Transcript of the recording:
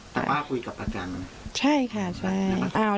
แต่ป้าคุยกับอาจารย์เหรอในประจำนั้นใช่ค่ะใช่